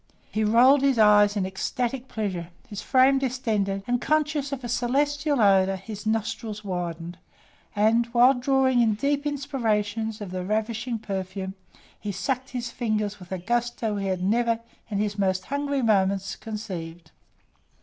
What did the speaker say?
He rolled his eyes in ecstatic pleasure, his frame distended, and, conscious of a celestial odour, his nostrils widened, and, while drawing in deep inspirations of the ravishing perfume, he sucked his fingers with a gusto he had never, in his most hungry moments, conceived.